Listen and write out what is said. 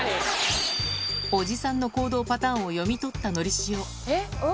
おじさんの行動パターンを読み取ったのりしお。